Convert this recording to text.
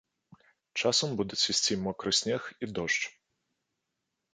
Часам будуць ісці мокры снег і дождж.